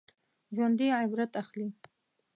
ژوندي عبرت اخلي